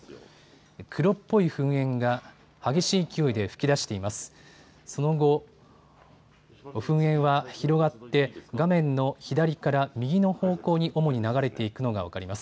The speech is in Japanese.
黒っぽい噴煙が激しい勢いで噴き出しています。